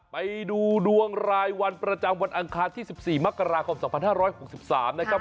ไปดูดวงรายวันประจำวันอังคารที่๑๔มกราคม๒๕๖๓นะครับ